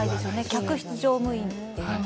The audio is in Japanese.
客室乗務員。